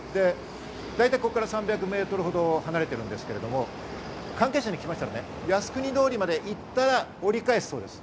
大体ここから３００メートルほど離れているんですけれども、関係者に聞きましたら、靖国通りまで行ったら折り返すそうです。